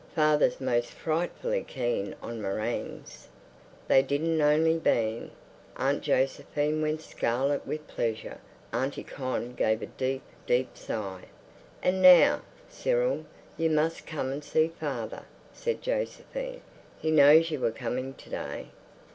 Father's most frightfully keen on meringues." They didn't only beam. Aunt Josephine went scarlet with pleasure; Auntie Con gave a deep, deep sigh. "And now, Cyril, you must come and see father," said Josephine. "He knows you were coming to day."